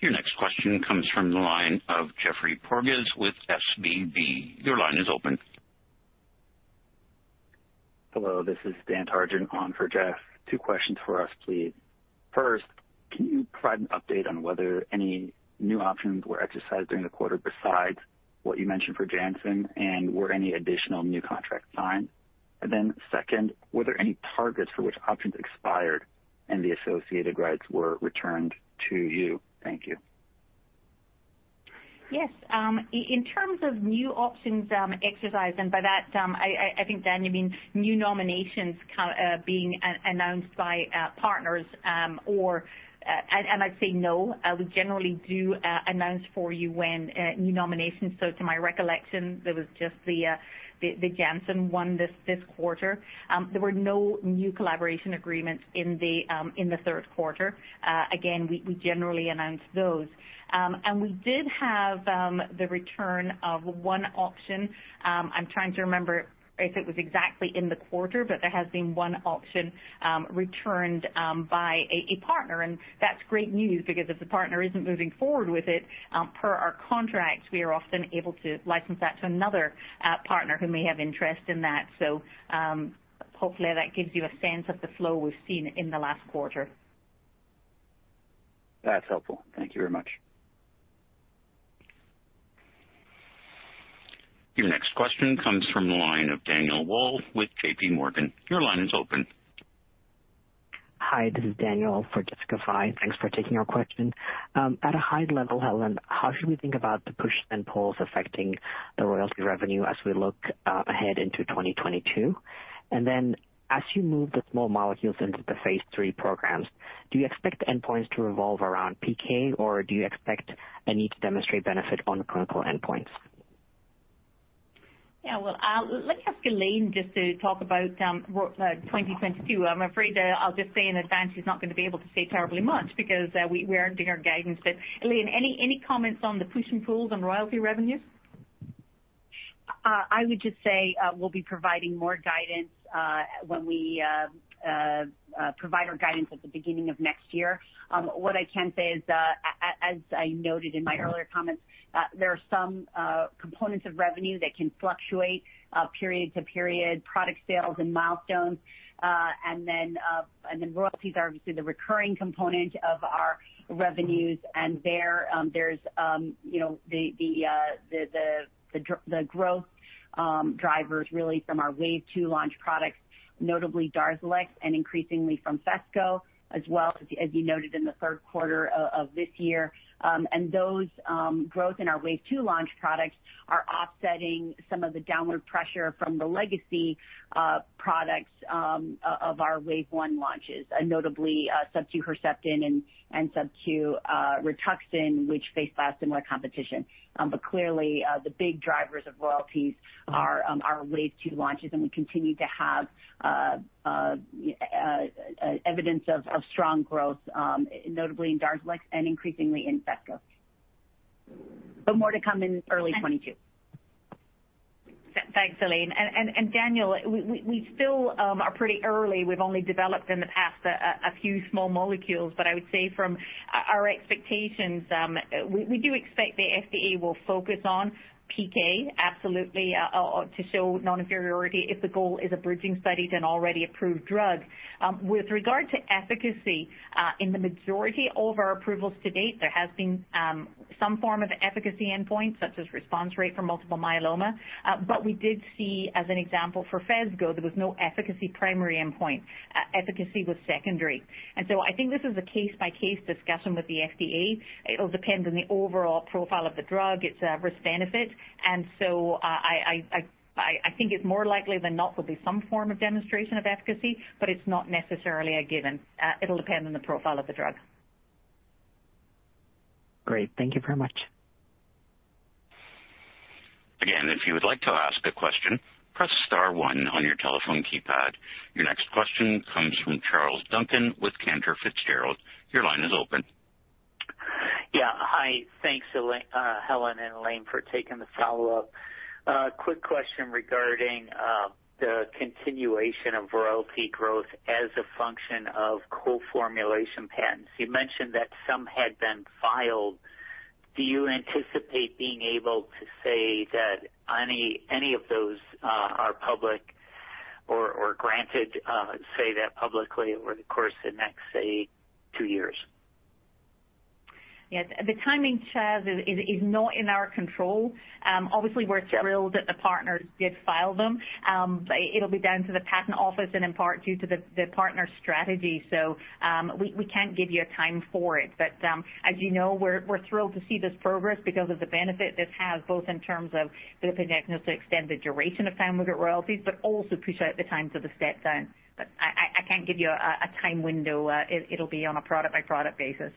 Speaker 1: Your next question comes from the line of Geoffrey Porges with SVB Leerink. Your line is open.
Speaker 10: Hello. This is Dan Tarjan on for Jeff. Two questions for us, please. First, can you provide an update on whether any new options were exercised during the quarter besides what you mentioned for Janssen and were any additional new contracts signed? And then second, were there any targets for which options expired and the associated rights were returned to you? Thank you.
Speaker 3: Yes. In terms of new options exercised, and by that, I think, Dan, you mean new nominations being announced by partners or and I'd say no. We generally do announce for you when new nominations. So to my recollection, there was just the Janssen one this quarter. There were no new collaboration agreements in the third quarter. Again, we generally announce those. And we did have the return of one option. I'm trying to remember if it was exactly in the quarter, but there has been one option returned by a partner. And that's great news because if the partner isn't moving forward with it, per our contracts, we are often able to license that to another partner who may have interest in that. So hopefully, that gives you a sense of the flow we've seen in the last quarter.
Speaker 10: That's helpful. Thank you very much.
Speaker 1: Your next question comes from the line of Daniel Wolle with J.P. Morgan. Your line is open.
Speaker 11: Hi. This is Daniel for Jessica Fye. Thanks for taking our question. At a high level, Helen, how should we think about the push and pulls affecting the royalty revenue as we look ahead into 2022? Then as you move the small molecules into the phase III programs, do you expect endpoints to revolve around PK, or do you expect a need to demonstrate benefit on clinical endpoints?
Speaker 3: Yeah. Well, let me ask Elaine just to talk about 2022. I'm afraid I'll just say in advance she's not going to be able to say terribly much because we aren't doing our guidance. But Elaine, any comments on the push and pulls on royalty revenues?
Speaker 4: I would just say we'll be providing more guidance when we provide our guidance at the beginning of next year. What I can say is, as I noted in my earlier comments, there are some components of revenue that can fluctuate period to period, product sales and milestones. And then royalties are obviously the recurring component of our revenues. And there's the growth drivers really from our wave two launch products, notably DARZALEX and increasingly from Phesgo, as well as you noted in the third quarter of this year. And those growth in our wave two launch products are offsetting some of the downward pressure from the legacy products of our wave one launches, notably subQ Herceptin and subQ RITUXAN, which faced similar competition. But clearly, the big drivers of royalties are wave two launches, and we continue to have evidence of strong growth, notably in DARZALEX and increasingly in Phesgo. But more to come in early 2022.
Speaker 3: Thanks, Elaine. And Daniel, we still are pretty early. We've only developed in the past a few small molecules. But I would say from our expectations, we do expect the FDA will focus on PK, absolutely, to show non-inferiority if the goal is a bridging study to an already approved drug. With regard to efficacy, in the majority of our approvals to date, there has been some form of efficacy endpoint, such as response rate for multiple myeloma. But we did see, as an example for Phesgo, there was no efficacy primary endpoint. Efficacy was secondary. And so I think this is a case-by-case discussion with the FDA. It'll depend on the overall profile of the drug. It's a risk-benefit. And so I think it's more likely than not there'll be some form of demonstration of efficacy, but it's not necessarily a given. It'll depend on the profile of the drug.
Speaker 11: Great. Thank you very much.
Speaker 1: Again, if you would like to ask a question, press star one on your telephone keypad. Your next question comes from Charles Duncan with Cantor Fitzgerald. Your line is open.
Speaker 5: Yeah. Hi. Thanks, Helen and Elaine, for taking the follow-up. Quick question regarding the continuation of royalty growth as a function of co-formulation patents. You mentioned that some had been filed. Do you anticipate being able to say that any of those are public or granted, say that publicly over the course of the next, say, two years?
Speaker 3: Yes. The timing, Charles, is not in our control. Obviously, we're thrilled that the partners did file them. It'll be down to the patent office and in part due to the partner strategy. So we can't give you a time for it. But as you know, we're thrilled to see this progress because of the benefit this has, both in terms of the opportunity to extend the duration of time with the royalties, but also push out the times of the step down. But I can't give you a time window. It'll be on a product-by-product basis.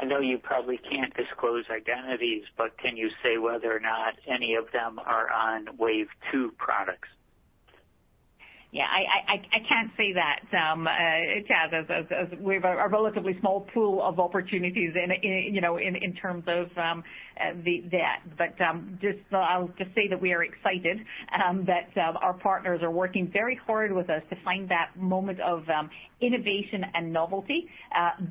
Speaker 5: I know you probably can't disclose identities, but can you say whether or not any of them are on wave two products?
Speaker 3: Yeah. I can't say that, Charles, as we have a relatively small pool of opportunities in terms of that. But I'll just say that we are excited that our partners are working very hard with us to find that moment of innovation and novelty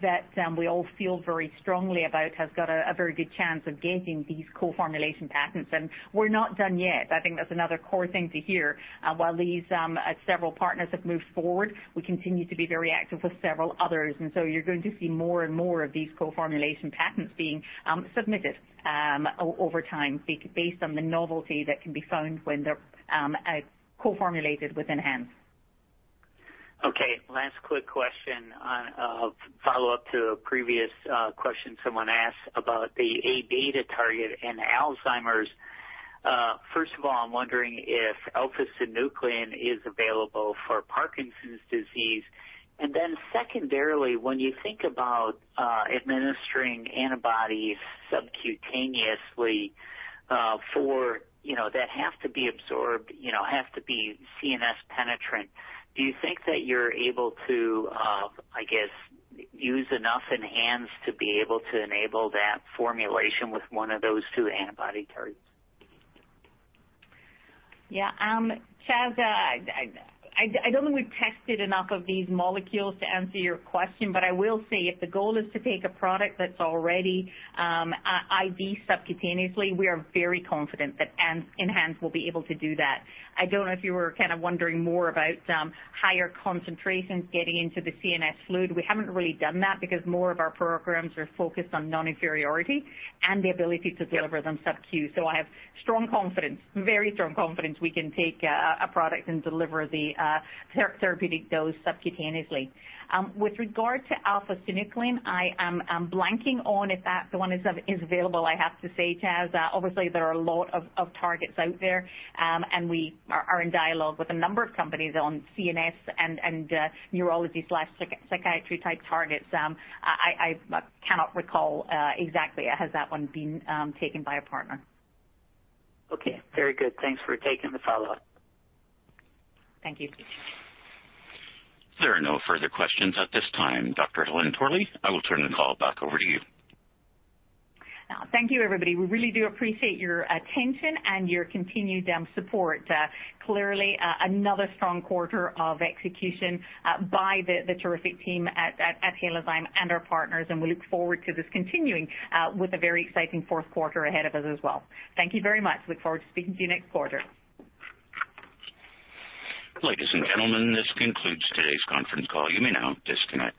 Speaker 3: that we all feel very strongly about has got a very good chance of getting these co-formulation patents. And we're not done yet. I think that's another core thing to hear. While several partners have moved forward, we continue to be very active with several others. And so you're going to see more and more of these co-formulation patents being submitted over time based on the novelty that can be found when they're co-formulated with ENHANZE.
Speaker 5: Okay. Last quick question of follow-up to a previous question someone asked about the A-beta target in Alzheimer's. First of all, I'm wondering if alpha-synuclein is available for Parkinson's disease. And then secondarily, when you think about administering antibodies subcutaneously for that have to be absorbed, have to be CNS penetrant, do you think that you're able to, I guess, use enough ENHANZE to be able to enable that formulation with one of those two antibody targets?
Speaker 3: Yeah. Charles, I don't think we've tested enough of these molecules to answer your question, but I will say if the goal is to take a product that's already IV subcutaneously, we are very confident that ENHANZE will be able to do that. I don't know if you were kind of wondering more about higher concentrations getting into the CNS fluid. We haven't really done that because more of our programs are focused on non-inferiority and the ability to deliver them subQ. So I have strong confidence, very strong confidence we can take a product and deliver the therapeutic dose subcutaneously. With regard to alpha-synuclein, I'm blanking on if that one is available, I have to say, Chaz. Obviously, there are a lot of targets out there, and we are in dialogue with a number of companies on CNS and neurology/psychiatry type targets. I cannot recall exactly. Has that one been taken by a partner?
Speaker 5: Okay. Very good. Thanks for taking the follow-up.
Speaker 3: Thank you.
Speaker 1: There are no further questions at this time, Dr. Helen Torley. I will turn the call back over to you.
Speaker 3: Thank you, everybody. We really do appreciate your attention and your continued support. Clearly, another strong quarter of execution by the terrific team at Halozyme and our partners, and we look forward to this continuing with a very exciting fourth quarter ahead of us as well. Thank you very much. Look forward to speaking to you next quarter.
Speaker 1: Ladies and gentlemen, this concludes today's conference call. You may now disconnect.